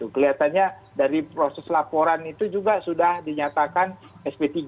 kelihatannya dari proses laporan itu juga sudah dinyatakan sp tiga